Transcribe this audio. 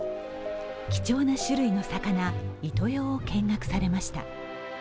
貴重な種類の魚イトヨを見学されました。